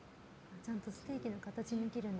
ちゃんとステーキの形に切るんだ。